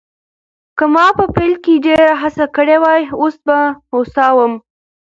که ما په پیل کې ډېره هڅه کړې وای، اوس به هوسا وم.